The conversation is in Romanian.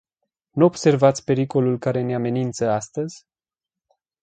Nu observați pericolul care ne amenință astăzi?